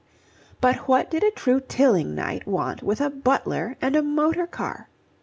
But what did a true Tillingnite want with a butler and a motorcar?